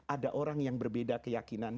ada orang yang berbeda keyakinan